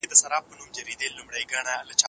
آیا اسراف په اسلامي شریعت کې منع او حرام عمل دی؟